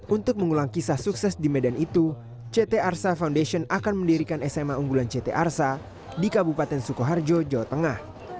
untuk mengulang kisah sukses di medan itu ct arsa foundation akan mendirikan sma unggulan ct arsa di kabupaten sukoharjo jawa tengah